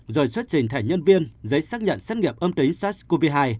rồi xuất trình thẻ nhân viên giấy xác nhận xét nghiệm âm tính sars cov hai